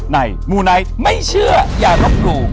มูไนท์ไม่เชื่ออย่าลบหลู่